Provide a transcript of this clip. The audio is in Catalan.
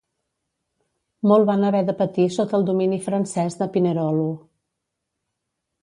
Molt van haver de patir sota el domini francès de Pinerolo.